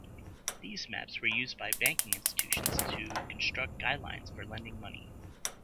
These maps were used by banking institutions to construct guidelines for lending money.